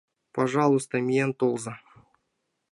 — Пожалуйста, миен толза.